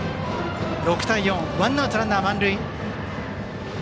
６対４、ワンアウトランナー満塁。